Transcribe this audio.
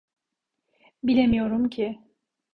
Bilemiyorum ki.